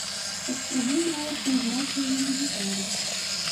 Паспрабую нават пайграць яе на гітары.